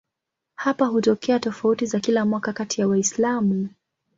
Hapa hutokea tofauti za kila mwaka kati ya Waislamu.